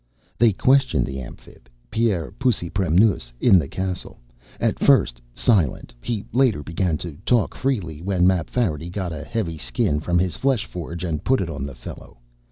They questioned the Amphib, Pierre Pusipremnoos, in the castle. At first silent, he later began talking freely when Mapfarity got a heavy Skin from his fleshforge and put it on the fellow.